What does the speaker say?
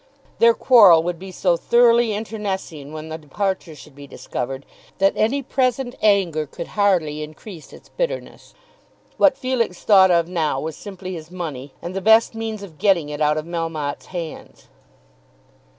Their quarrel would be so thoroughly internecine when the departure should be discovered, that any present anger could hardly increase its bitterness. What Felix thought of now was simply his money, and the best means of getting it out of Melmotte's hands.